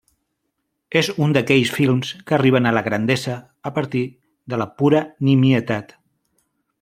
És un d'aquests films que arriben a la grandesa a partir de la pura nimietat.